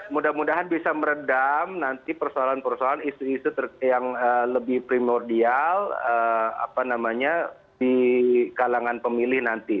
mudah mudahan bisa meredam nanti persoalan persoalan isu isu yang lebih primordial di kalangan pemilih nanti